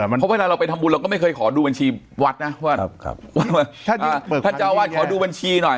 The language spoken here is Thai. เพราะเวลาเราไปทำบุญเราก็ไม่เคยขอดูบัญชีวัดนะว่าท่านเจ้าวาดขอดูบัญชีหน่อย